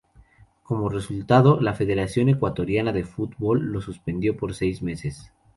Como resultado, la Federación Ecuatoriana de Fútbol lo suspendió por seis meses.